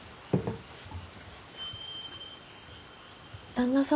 旦那様